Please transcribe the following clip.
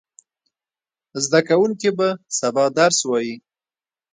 زده کوونکي به سبا درس وایي.